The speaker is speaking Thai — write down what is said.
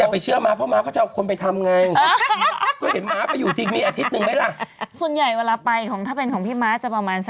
เป็นผู้ล่าแม่มสต์เป็นผู้เป็นพวกแม่มสต์